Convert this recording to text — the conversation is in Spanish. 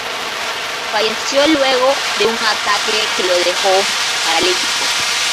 Falleció luego de un ataque que lo dejó paralítico.